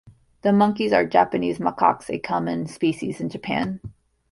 The monkeys are Japanese macaques, a common species in Japan.